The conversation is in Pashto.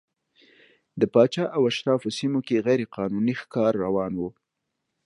د پاچا او اشرافو سیمو کې غیر قانوني ښکار روان و.